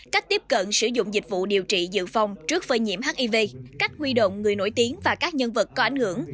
cách tiếp cận sử dụng dịch vụ điều trị dự phòng trước phơi nhiễm hiv cách huy động người nổi tiếng và các nhân vật có ảnh hưởng